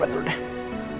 ayut mereka utuh